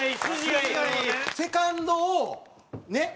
セカンドをねっ？